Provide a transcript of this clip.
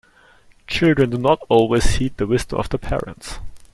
Children do not always heed the wisdom of their parents.